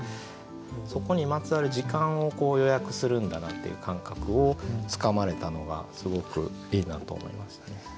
そこにまつわる時間を予約するんだなっていう感覚をつかまれたのがすごくいいなと思いましたね。